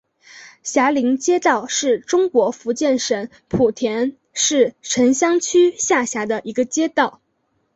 霞林街道是中国福建省莆田市城厢区下辖的一个街道。